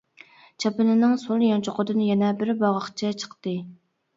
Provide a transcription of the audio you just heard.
چاپىنىنىڭ سول يانچۇقىدىن يەنە بىر باغاقچە چىقتى.